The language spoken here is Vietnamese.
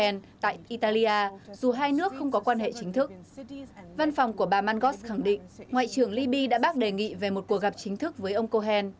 ngoại trưởng libi đã đề nghị về một cuộc gặp chính thức với ông cohen